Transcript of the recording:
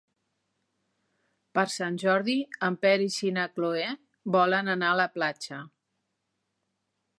Per Sant Jordi en Peris i na Cloè volen anar a la platja.